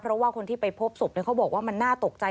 เพราะว่าคนที่ไปพบศพเขาบอกว่ามันน่าตกใจ